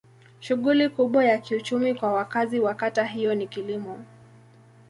Shughuli kubwa ya kiuchumi kwa wakazi wa kata hiyo ni kilimo.